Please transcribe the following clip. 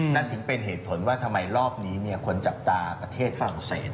นั่นถึงเป็นเหตุผลว่าทำไมรอบนี้คนจับตาประเทศฝรั่งเศส